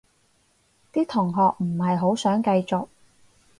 啲同學唔係好想繼續